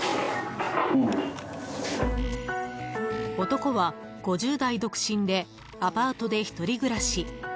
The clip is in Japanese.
男は５０代独身でアパートで１人暮らし。